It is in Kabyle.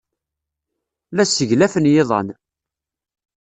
La sseglafen yiḍan.